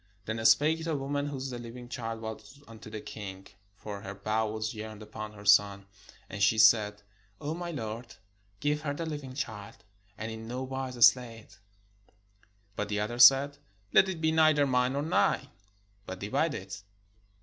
Then spake the woman whose the Hving child was unto the king, for her bowels yearned upon her son, and she 562 THE STORY OF KING SOLOMON said: "O my lord, give her the living child, and in no wise slay it." But the other said: "Let it be neither mine nor thine, but divide it."